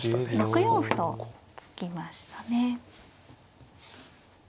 ６四歩と突きましたね。